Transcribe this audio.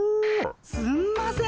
すんません。